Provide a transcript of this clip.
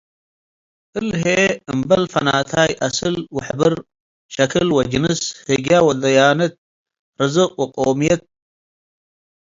እሊ ህዬ አምበል ፈናታይ አስል ወሕብር፡ ሸክል ወጅንስ፡ ህግየ ወደያነት፡ ርዝቅ ወቆምየት፡